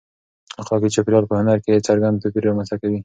اخلاقي چاپېریال په هنر کې څرګند توپیر رامنځته کوي.